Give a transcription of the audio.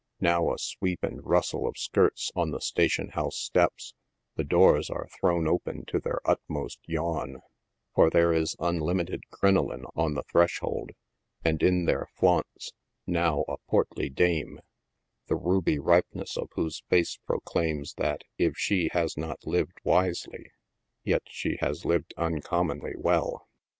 Now a sweep and rustle of skirts on the station house steps ; the doors are thrown open to their utmost yawn, for there is unlimited crinoline on the threshold, and in there flaunts, now, a portly dame, the ruby ripeness of whose face proclaims that if she has not lived wisely, yet she has lived uncommonly well.